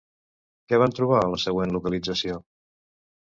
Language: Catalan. Què van trobar a la següent localització?